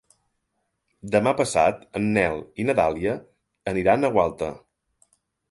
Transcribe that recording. Demà passat en Nel i na Dàlia aniran a Gualta.